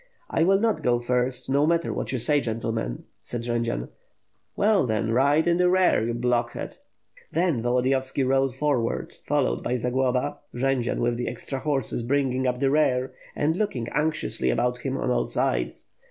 "I will not go first, no matter what you say, gentlemen," said Jendzian. "Well, then, ride in the rear, you blockhead." Then, Volodiyovski rode forward, followed by Zagloba; Jendzian, with the extra horses, bringing up the rear, and looking anxiously about him on all sides.